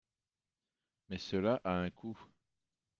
Mais cela a un coût.